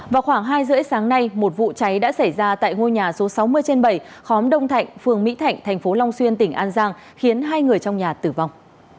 vào khoảng hai h ba mươi sáng nay một vụ cháy đã xảy ra tại ngôi nhà số sáu mươi trên bảy khóm đông thạnh phường mỹ thạnh thành phố long xuyên tỉnh an giang khiến hai người trong nhà tử vong